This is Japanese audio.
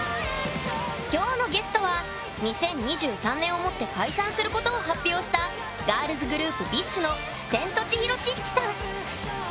今日のゲストは２０２３年をもって解散することを発表したガールズグループＢｉＳＨのセントチヒロ・チッチさん。